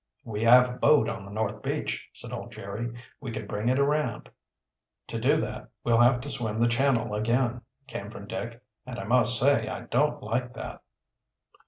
"We have a boat on the north beach," said old Jerry; "we can bring it around." "To do that, we'll have to swim the channel again," came from Dick. "And I must say I don't like that."